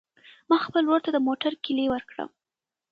ما خپل ورور ته د موټر کیلي ورکړه.